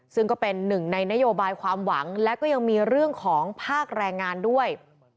ซึ่งก็เป็นหนึ่งในนโยบายความหวังและก็ยังมีเรื่องของภาคแรงงานด้วย